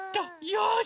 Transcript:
よし！